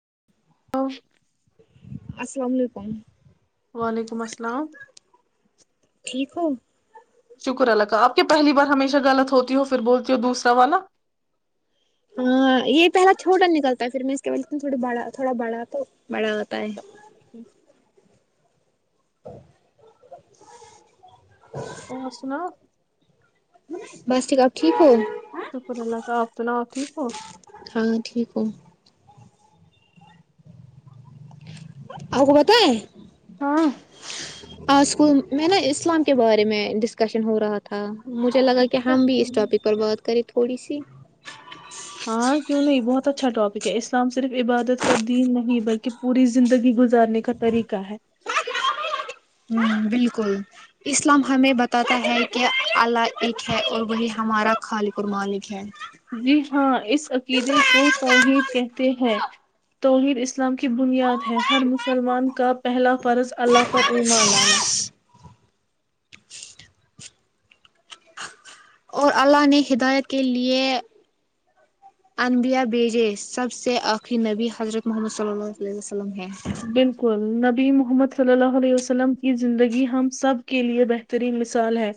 [inaudible] السلام علیکم وعلیکم السلام ٹھیک ہو شکر اللہ کاا آپ کے پہلی بار ہمیشہ غلط ہوتی ہو پھر بولتی ہو دوسرا والا یہ پہلا چھوٹا نکلتا ہے پھر میں تھوڑی بڑا تھوڑا بڑا تو بڑات [inaudible] اور سنا بس ٹھیک آپ ٹھیک ہو شکر اللہ کا آپ سناؤ ٹھیک تو ہاں ٹھیک کو بت ہے ہاں اور اس کو میں نے اس اسلام کے بارے میں ڈس کشن ہو رہا تھا مجھے لگا کہ اچھا ہم بھی اس ٹاپک پر بات کریں تھوڑی سی ہاں کیوں نہیں بہت اچھا ٹاپک ہے اسلام صرف عبادت کا دین نہیں بلکہ پوری زندگی گزارنے کا طریقہ ہے بالکل اسلام ہمیں بتاتا ہے کہ اللہ ایک ہے اور وہی ہمارا خالق قمالک ہے جی ہاں اس عقیدے کو توگی کہتے ہیں توح اس اسلام کی بنیاد ہے ہر مسلمان کا پہلا فرض اللہ فر ایم لانا اور اللہ نے ہدایت کے لیے انبیا بیجے سب سے آخری نبی حضرت محمد صلی اللہ وسلم ہیں بالکل نبی محمد صلی اللہ علیہ وسلم کی زندگی ہم سب کے لیئے بہترین مثال ہے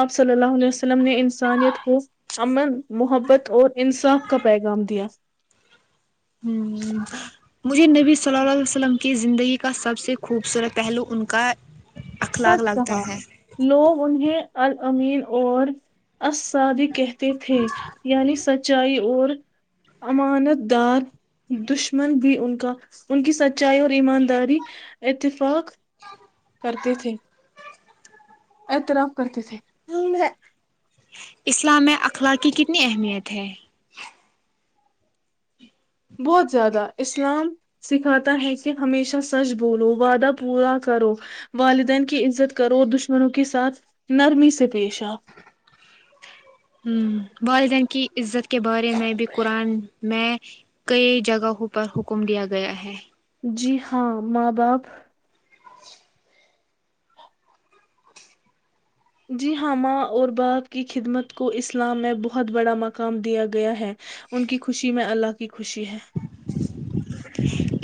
آپ صلی اللہ علیہ وسلم نے انسانیت کو امن محبت اور انصاف کا پیغام دیا مجھے نبی صلی اللہ علیہ وسلم کی زندگی کا سب سے خوبصورت پہلو ان کا اخلاق سچ لگتا کہا ہے لوگ انہیں ال امین اور اساب کت تھے یعنی سچائی اور امانت دار دشمن بھی ان کا ان کی سچائی اور ایمانداری اتفاق کرتے تھے اعترام کرتے تھے اسلام میں اخلاق کی کتنی اہمیت ہے [unintelligible] بہت زیادہ اسلام سکھاتا ہے کہ ہمیشہ سچ بولو وعدہ پورا کرو والدین کی عزت کرو دشمنوں کے ساتھ نرمی سے [unintelligible] پیشہ [unintelligible] والدین کی عزت کے بارے میں بھی قرآن میں کئی جگہوں پر حکم دیا گیا ہے [unintelligible] جی ہاں ماں باپ [unintelligible] جی ہاں ماں اور باپ کی خدمت کو اسلام میں بہت بڑا مقام دیا گیا ہے ان کی خوشی میں اللہ ک خوشی ہے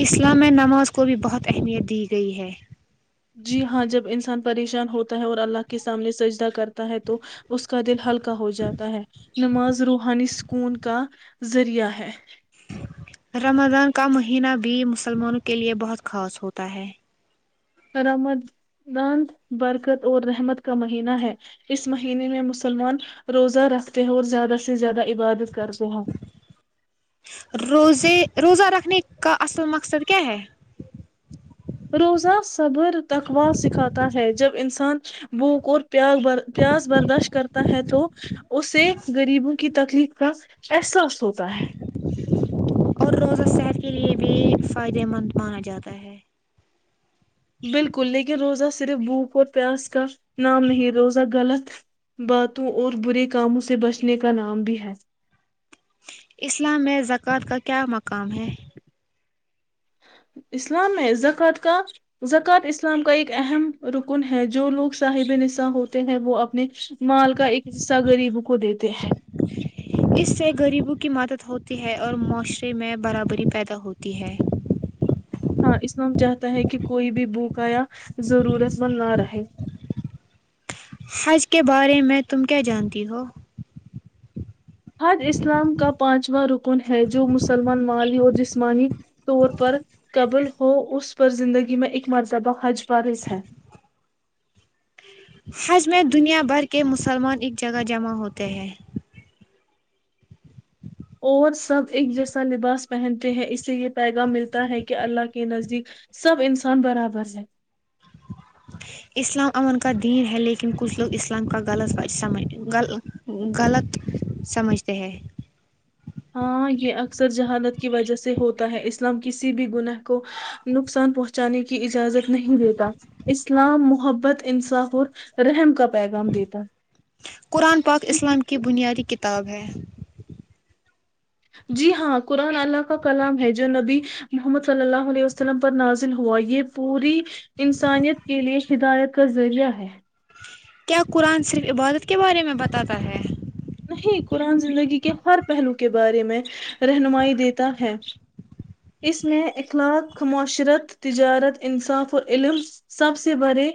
اسلام نماز کو بھی بہت اہمیت دی گئی ہے [unintelligible] جی ہاں جب انسان پریشان ہوتا ہے اور اللہ کے سامنے سجدہ کرتا ہے تو اس کا دل ہلکا [unintelligible] ہو جاتا ہے نماز روحانی سکون کا [unintelligible] ذریعہ ہے [unintelligible] رمضان کا مہینہ بھی مسلمانوں کے لیے بہت خاص ہوتا ہے [unintelligible] رمان برکت اور رحمت کا مہینہ ہے اس مہینے میں مسلمان روزہ رکھتے ہیں اور زیادہ سے زیادہ [unintelligible] عبادت کر رہ ہیں روزے روزہ رکھنے کا اصل مقصد کیا ہے [unintelligible] روزہ صبر تقوا سکھاتا ہے جب انسان بھوک اور پیا پیاس برداشت کرتا ہے تو اسے غریبوں کی تکلیف کا احساس ہوتا ہے [unintelligible] ایک فائدے مند مانا جاتا ہے [unintelligible] بالکل لیکن روزہ صرف بھوک اور پیاس کا نام نہیں روزہ غلط باتوں اور برے کاموں سے بچنے کا نام بھی ہے [unintelligible] اسلام میں زکوۃ کا کیا مقام ہے [unintelligible] اسلام میں زکوۃ کا زکوۃ اسلام کا ایک اہم رکن ہے جو لوگ صاحب نصاں ہوتے ہیں وہ اپنے [unintelligible] مال کا ایک حصہ غریبوں کو دیتے ہیں [unintelligible] چاہے غریبوں کی مدد ہوتی ہے اور معاشرے میں برابری پیدا ہوتی ہے [unintelligible] ہاں اسلام چاہتا ہے کہ کوئی بھی بوک یا ضرورت مند نہ رہے [unintelligible] حج کے بارے میں تم کیا جانتی ہو [unintelligible] حد اسلام کا پانچو [unintelligible] رکن ہے جو مسلمان مالی اور جسمانی طور پر قبل ہو اس پر زندگی میں ایک مرتبہ حج پرارز ہے [unintelligible] حج میں دنیا بھر کے مسلمان ایک جگہ جمع ہوتے ہیں [unintelligible] اور سب ایک جیسا لباس پہنتے ہیں اس سے یہ پیغام ملتا ہے کہ اللہ کے نزدیک سب انسان برابر ہیں اسلام امن کا دین ہے لیکن کچھ لوگ اسلام کا غلط سمج غلط سمجھتے ہیں [unintelligible] ہاں یہ اکثر جہانت کی وجہ سے ہوتا ہے اسلام کسی بھی گناہ کو نقصان پہنچانے کی اجازت نہیں دیتا اسلام محبت انصاف اور رحم کا [unintelligible] دیتا قرآن پاک ہے۔ اسلام کی بنیادی کتاب [unintelligible] تب ہے [unintelligible] جی ہاں قرآن اللہ کا کلام ہے جو نبی محمد صلی اللہ علیہ وسلم پر نازل ہوا یہ پوری انسانیت کے لیے ہدایت کا ذریعہ ہے [unintelligible] کیا قرآن صرف عبادت کے بارے میں بتاتا ہے [unintelligible] نہیں قرآن زندگی کے ہر پہلو کے بارے میں رہنمائی دیتا ہے اس میں اخلاق معاشرت تجارت انصاف اور علم سب سے بڑے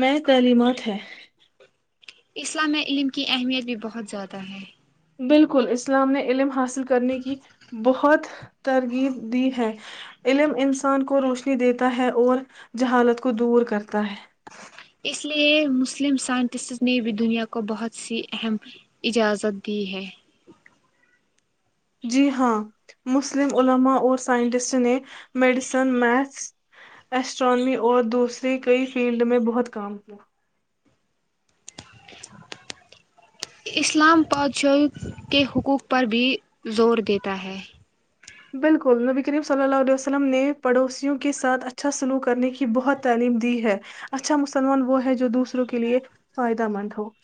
میں تعلیمات ہے [unintelligible] اسلام علم کی اہمیت بھی بہت زیادہ ہے [unintelligible] بالکل اسلام نے علم حاصل کرنے کی بہت ترغیب دی ہے علم انسان کو روشنی دیتا ہے اور جہالت کو دور کرتا ہے [unintelligible] اس لیے مسلم سائنٹسٹ نے بھی دنیا کو بہت سی اہم اجازت دی ہے [unintelligible] جی ہاں مسلم علماء اور سائنٹسٹ نے میڈیسن میتھس اسٹرانواممی اور دوسرے کئی فیلڈ میں بہت کام کیا [unintelligible] اسلام پادشاہوں کے حقوق پر بھی زور دیتا ہے [unintelligible] بالکل نبی کریم صلی اللہ علیہ وسلم نے پڑوسیوں کے ساتھ اچھا سلوک کرنے کی بہت تعلیم دی ہے اچھا مسلمان وہ ہے جو دوسروں کے لیئے فائدہ مند ہو [unintelligible]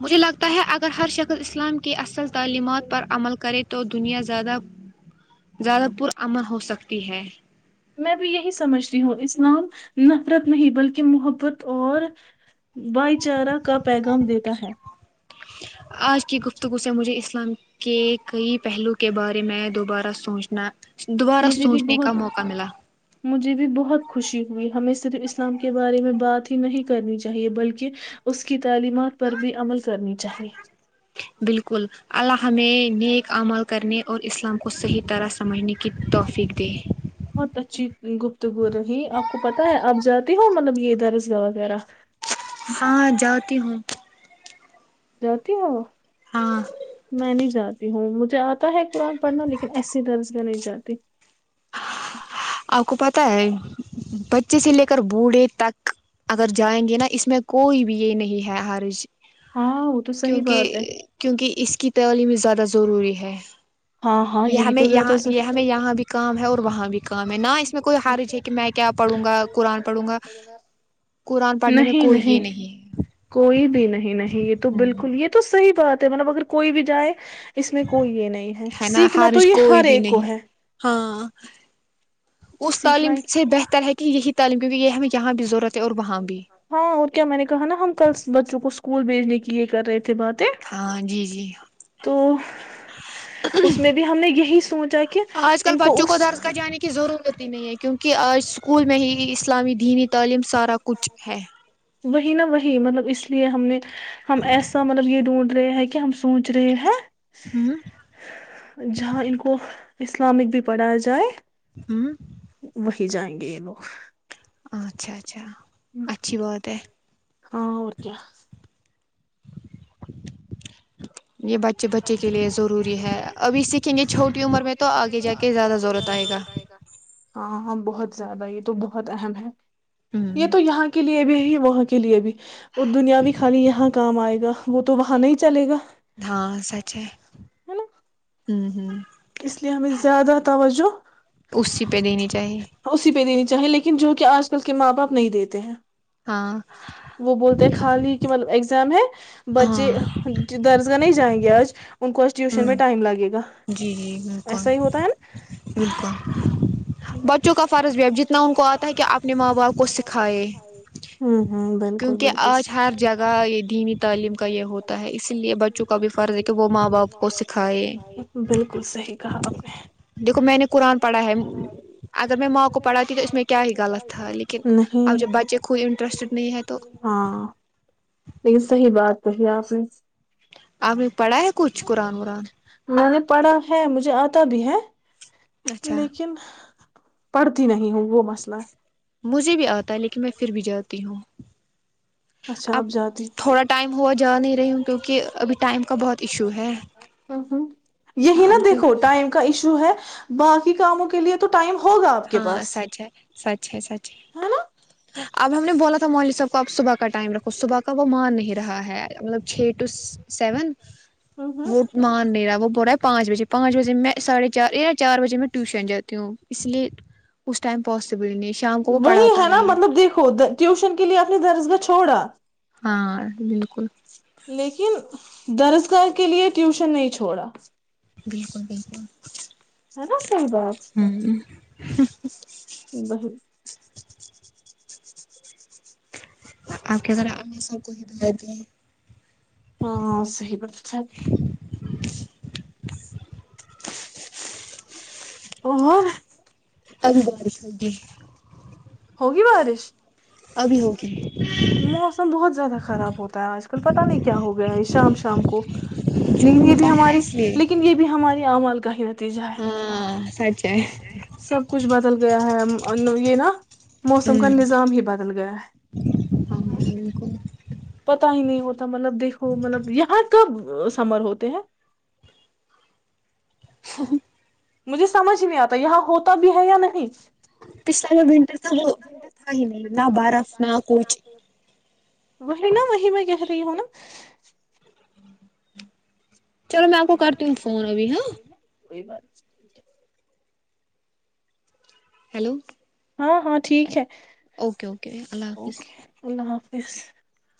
مجھے لگتا ہے اگر ہر شکل اسلام کی اصل [unintelligible] تعلیمات پر عمل کرے [unintelligible] تو دنیا زیادہ زیادہ پرمن ہو سکتی ہے میں بھی یہی سمجھتی ہوں اسلام نفرت نہیں بلکہ محبت اور بھائی چارہ کا پیغام دیتا ہے آج کی گفتگو سے مجھے اسلام کے کئی پہلو کے بارے میں دوبارہ سوچنا دوبارہ مجھے بھی سوچنے کا بہت موقع ملا مجھے بھی بہت خوشی ہوئی ہمیں صرف اسلام کے بارے میں بات ہی نہیں کرنی چاہیے بلکہ اس کی تعلیمات پر بھی عمل کرنی چاہیے بالکل اللہ ہمیں نیک عمل کرنے اور اسلام کو صحیح طرح سمجھنے کی توفیق دے گپتگو ہی آپ کو پتہ ہے آپ جاتی ہو مطلب یہ ا دھر اس گاہ وغیرہ ہاں جاتی ہوں جوتی ہو ہاں میں نہیں جا ہوں مجھے آتا ہے قرآن پڑھنا لیکن ایسی درز میں نہیں جاتی آپ کو پتا ہے بچے سے لے کر بوڑھے تک اگر جائیں گے نا اس میں کوئی بھی یہ نہیں ہے حارج ہاں وہ تو صحیح بات کیونکہ ہے کیونکہ اس کی توی میں زیادہ ضروری ہے ہاں ہاں یہ یہی ہمیں تو زیادہ یہاں یہ ضرور- ہمیں یہاں بھی کام ہے اور وہاں بھی کہ میں ن میں کوئی حرج ہے پڑھوں گا قرآن پڑھنے میں نہیں کوئی یہ نہیں ہے کوئی بھی نہیں نہیں یہ تو ہ بالکل یہ تو صحیح بات مطلب اگر کوئی بھی جائے اس میں کوئی یہ نہیں ہے نا سیکھنا تو حرج یہ کوئی ہر بھی ایک کو نہیں ہے ہاں اس تعلیم سیکھنا سے بہتر ہے کہ یہی تعم کیکہ یہ ہمیں یہاں بھی ضرورت ہے اور وہاں بھی ہاں اور کیا میں نے کہا نا ہم کل بچ رک اس کو اسکول بھیجنے کی یہ کر رہے بات ہے ہاں جی جی تو اس میں بھی ہم نے یہی سوچا کہ آج کل ان بچوں کو اس درس کا جانے کی ضرورت نہیں ہے کیونکہ آج اسکول میں ہی اسلامی دینی تعلیم سارا کچھ ہے وہی نا وہی مطلب اس لیے ہم نے ہم ایسا مطلب یہ ڈھونٹ رہے ہیں کہ ہم سوچ رہے ہیں ہوں جہاں ان کو اسلامک بھی پڑھا جائے ہوں وہی جائیں گے یہ لگ اچھا اچھا اچھا اچھی بات ہے ہاں اور کیا [inaudible] یہ بچے بچے کے لیے ضروری ہے ابھی سیکھیں گے چھوٹی عمر میں تو آگے جا کے زیادہ ضرورت آئے گا ہاں ہاں بہت زیادہ یہ تو بہت اہم ہے یہ ہوں تو یہاں کے لیے بھی ہے ہے وہاں کے لیے بھی اور دنیا بھی خالی یہاں کام آئے گا وہ تو وہاں نہیں چلے گا ہاں س چ ہے نا ھمم ھممم اس لیے ہمیں زیادہ توجہ اسی پہ دینی چاہیے اسی پہ د [inaudible] چاہ لیکن جو کہ آج کل کے ماں باپ نہیں دیتے ہیں ہاں وہ بولتے ہیں خالی کہ مطلب ایگزام ہے بچے ہاں ج درج [inaudible] نہیں جائیں گے آج [inaudible] ان کو ٹیوشن میں ہوں ٹائم لگے گا جی جی بالکل ایسا ہی ہوتا ہے بالکل نا بچوں کا فرض بھی اب جتنا ان کو آتا ہے کہ اپنے ماں باپ کو سکھائےائے ہوں ہوں بالکل کیونکہ بالکل آج ہر جگہ یہ دینی تعلیم کا یہ ہوتا ہے اسی لیے بچوں کا بھی فرض ہے کہ وہ ماں باپ کو سکھائے بالکل بک صحیح کہا آ دیکھو میں نے قرآن پڑھا ہے اگر میں ماں کو پڑھاتی تو اس میں کیا ہی غلط تھا لیکن نےاں اب جب بچے خود انٹرسٹیڈ نہیں ہے تو لیکن صحی بات تو کیا آپ [inaudible] اب نے پڑھا ہے کچھ قرآن ورن [unintelligible] کڑا ہے مجھے آتا بھی ہے اچھا لیکن پڑھتی نہیں ہوں وہ مسئلہ ہے مجھے بھی آتا ہے لیکن میں پھر بھی جاتی ہوں اچھا اب آپ جاتی ہ تھوڑا ٹائم ہوا جا نہیں رہی ہوں کیونکہ ابھی ٹائم کا بہت ایشو ہے ہ ہ یہی ہاں نا کیوں دیکھو ٹائم کا ایشو ہے باقی کاموں کے لیے تو ٹائم ہو ہاں سچ ہے سچ ہے سچ ہے اب ہم نے بولا تھا مولداحب کوب صب کا ٹائم رکھو صبح کا کا وہ مان نہیں رہا ہے مطلب چھ ٹو سیون ہوں ہوں وہ مان نہیں رہا وہ تھوڑا ہے پانچ بجے پانچ بجے میں ساڑھے چاریا چار بجے میں ٹیوشن جاتی ہوں اس لیے [unintelligible] [unintelligible] اس ٹائم پاسبل نہیں [inaudible] [unintelligible] وہی پڑھاتا ہے نا نہیں مطلب دیکھو ٹیوشن کے لیے اپنی درسگاہ چ [unintelligible] [unintelligible] چھوڑا [inaudible] [unintelligible] ہاں بالکل [unintelligible] [unintelligible] لیکن درزگاہ کے لیے ٹیوشن نہیں چھوڑا [unintelligible] [unintelligible] بالکل بالکل ہے نا صحیح بات ہوں وہی، [unintelligible] آپ کےذرا امی سب کو ہی دلی ہیں [unintelligible] ہاں صحی ب تھاے [unintelligible] اور [inaudible] اگوال خی [inaudible] ہوگی بارش ہوگی [inaudible] موسم بہت زیادہ خراب ہوتا ہے آج کل پتا نہیں کیا ہو گیا ہے شام شام کو لیکن یہ جون کا بھی ہے نا ہماری اس لیے لیکن یہ بھی ہماری آمال [unintelligible] کہ [inaudible] تی جائے ہاں سچ ہے [inaudible] سب کچھ بدل گیا [unintelligible] ہ یہ نا [unintelligible] موسم کا ہوں نظام ہی بدل گیا ہے ہاں بالکل پتا ہی نہیں [unintelligible] مطلب دیکھو مطلب یہاں [unintelligible] کب سمر ہوتے ہیں [unintelligible] ہ [unintelligible] مجھے سمجھ نہیں آتا یہاں ہوتا بھی ہے یا نہیں [unintelligible] پھلا میں ونٹر تھا وہ ونٹر تھا ہی نہیں نہ برف نہ کوئی [unintelligible] وہی نا وہی میں کہہ رہی ہوں نا [unintelligible] چلو میں آپ کو کرتی ہوں فون ابھی ہاں [unintelligible] ٹھیک ہے [unintelligible] ہیلو [unintelligible] ہاں ہاں ٹھیک ہے [unintelligible] اوکے اوکے اللہ حافظ [unintelligible] اسس [unintelligible]